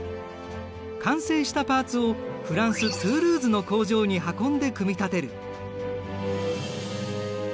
完成したパーツをフランストゥールーズの工場に運んで組み立てる。